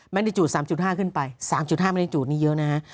ไม่ได้จูด๓๕ขึ้นไป๓๕ไม่ได้จูดนี้เยอะนะฮะ